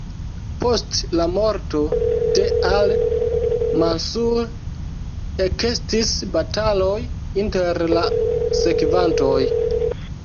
Post la morto de al-Mansur ekestis bataloj inter la sekvantoj.